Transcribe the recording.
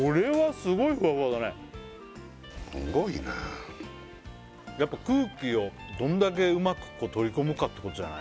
すごいなやっぱ空気をどんだけうまく取り込むかってことじゃない？